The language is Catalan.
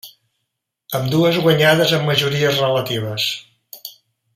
Ambdues guanyades amb majories relatives.